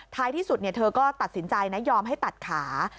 ท้ายที่สุดเธอก็ตัดสินใจนะยอมให้ตัดขา